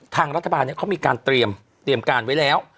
ทางรัฐบาลเขามีการเตรียมการไว้แล้ว